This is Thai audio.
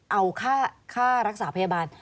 เอาค่ารักษาพยาบาล